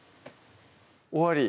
終わり？